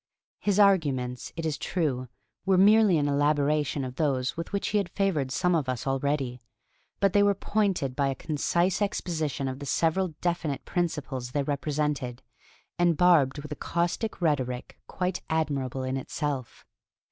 His arguments, it is true, were merely an elaboration of those with which he had favored some of us already; but they were pointed by a concise exposition of the several definite principles they represented, and barbed with a caustic rhetoric quite admirable in itself.